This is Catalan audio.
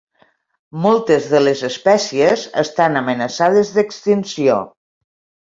Moltes de les espècies estan amenaçades d'extinció.